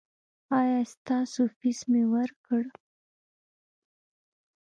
ایا ستاسو فیس مې ورکړ؟